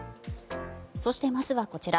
そしてまずはこちら。